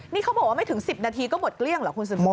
นี่เขาบอกว่าไม่ถึง๑๐นาทีก็หมดเกลี้ยงเหรอคุณสืบส